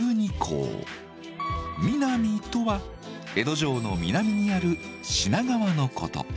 「美南見」とは江戸城の南にある品川のこと。